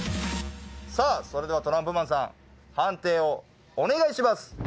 さあそれではトランプマンさん判定をお願いします！